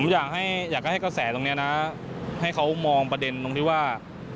ผมอยากให้กระแสตรงนี้นะให้เขามองประเด็นตรงที่ว่า